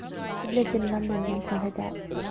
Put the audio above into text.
She lived in London until her death.